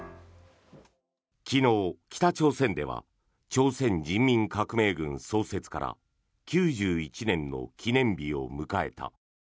昨日、北朝鮮では朝鮮人民革命軍創設から９１年の記念日を迎えた。